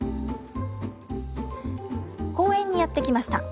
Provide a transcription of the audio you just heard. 公園にやって来ました。